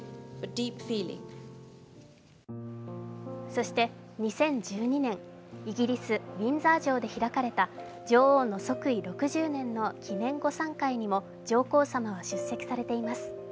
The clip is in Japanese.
そして２０１２年、イギリス・ウィンザー城で開かれた女王の即位６０年の記念午餐会にも上皇さまは出席されています。